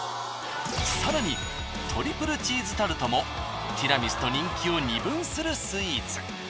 更にトリプルチーズタルトもティラミスと人気を二分するスイーツ。